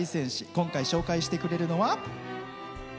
今回、紹介してくれるのは。